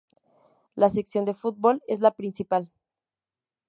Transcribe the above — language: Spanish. La sección de fútbol es la principal.